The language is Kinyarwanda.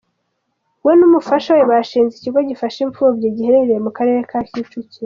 We n’umufasha we bashinze ikigo gifasha imfubyi , giherereye mu Karere ka Kicukiro.